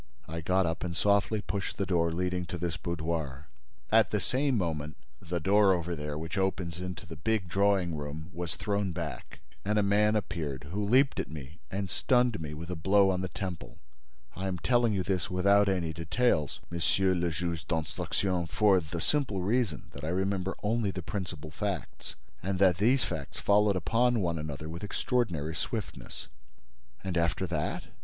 I got up and softly pushed the door leading to this boudoir. At the same moment, the door over there, which opens into the big drawing room, was thrown back and a man appeared who leaped at me and stunned me with a blow on the temple. I am telling you this without any details, Monsieur le Juge d'Instruction, for the simple reason that I remember only the principal facts, and that these facts followed upon one another with extraordinary swiftness." "And after that?